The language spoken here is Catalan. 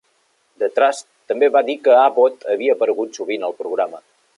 The Trust també va dir que Abbott havia aparegut sovint al programa.